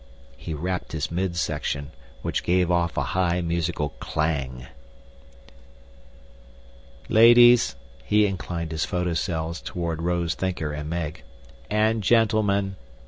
He rapped his midsection, which gave off a high musical clang. "Ladies " he inclined his photocells toward Rose Thinker and Meg "and gentlemen.